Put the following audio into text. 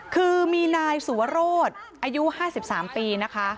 คือมีนายสุวรสอายุ๕๓ปีนะคะ